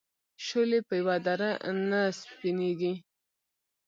شولې په یوه در نه سپینېږي.